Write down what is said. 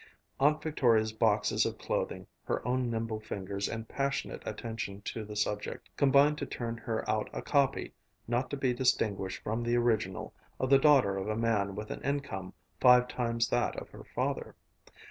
Aunt Victoria's boxes of clothing, her own nimble fingers and passionate attention to the subject, combined to turn her out a copy, not to be distinguished from the original, of the daughter of a man with an income five times that of her father.